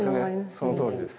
そのとおりです。